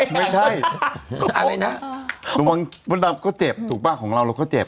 ไม่ใช่มุดดำก็เจ็บถูกปะของเราก็เจ็บ